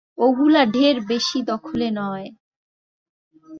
ওগুলা ঢের বেশির দলে নয়।